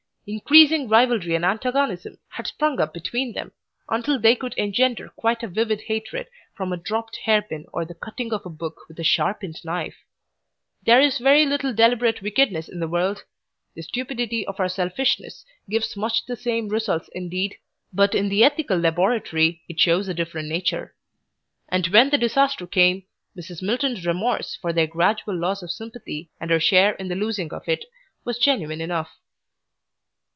Increasing rivalry and antagonism had sprung up between them, until they could engender quite a vivid hatred from a dropped hairpin or the cutting of a book with a sharpened knife. There is very little deliberate wickedness in the world. The stupidity of our selfishness gives much the same results indeed, but in the ethical laboratory it shows a different nature. And when the disaster came, Mrs. Milton's remorse for their gradual loss of sympathy and her share in the losing of it, was genuine enough.